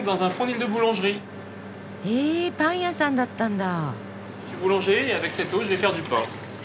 へえパン屋さんだったんだ。